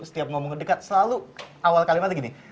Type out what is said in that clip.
setiap ngomongnya dekat selalu awal kalimatnya gini